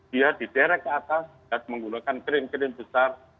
dia diderek ke atas dan menggunakan krim krim besar